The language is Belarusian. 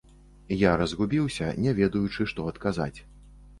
Я разгубіўся, не ведаючы, што адказаць.